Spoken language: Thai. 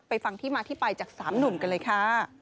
ฟังที่มาที่ไปจาก๓หนุ่มกันเลยค่ะ